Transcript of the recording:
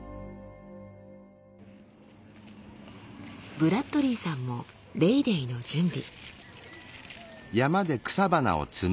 ブラッドリーさんもレイ・デーの準備。